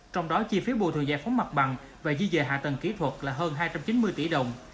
trong đó chi phí bù thường giải phóng mặt bằng và di dời hạ tầng kỹ thuật là hơn hai trăm chín mươi tỷ đồng